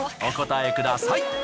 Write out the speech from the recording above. お答えください。